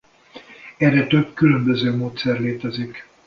Erre több különböző módszer létezik.